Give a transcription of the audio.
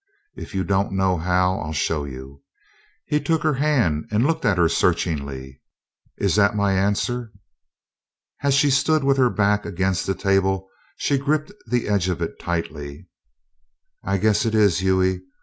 If you don't know how, I'll show you." He took her hand and looked at her searchingly: "Is that my answer?" As she stood with her back against the table she gripped the edge of it tightly. "I guess it is, Hughie.